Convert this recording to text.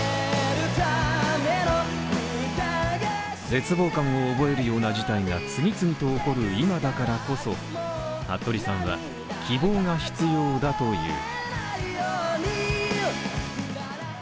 絶望感を覚えるような事態が次々と起こる今だからこそ、はっとりさんは希望が必要だという。